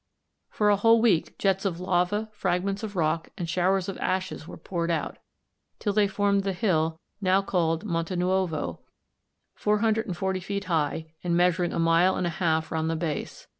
For a whole week jets of lava, fragments of rock, and showers of ashes were poured out, till they formed the hill now called Monte Nuovo, 440 feet high and measuring a mile and a half round the base.